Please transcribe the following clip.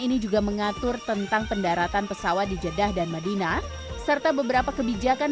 ini juga mengatur tentang pendaratan pesawat di jeddah dan madinah serta beberapa kebijakan